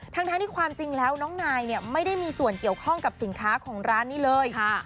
ทั้งที่ความจริงแล้วน้องนายเนี่ยไม่ได้มีส่วนเกี่ยวข้องกับสินค้าของร้านนี้เลย